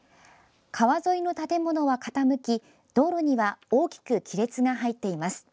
川沿いの建物は傾き道路には大きく亀裂が入っています。